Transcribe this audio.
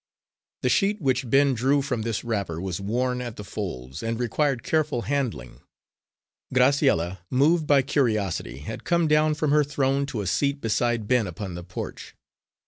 The sheet which Ben drew from this wrapper was worn at the folds, and required careful handling. Graciella, moved by curiosity, had come down from her throne to a seat beside Ben upon the porch.